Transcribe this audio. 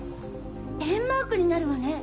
円マークになるわね。